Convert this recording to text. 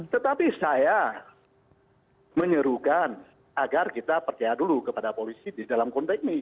tetapi saya menyuruhkan agar kita percaya dulu kepada polisi di dalam konteks ini